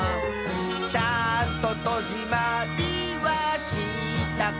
「ちゃんととじまりはしたかな」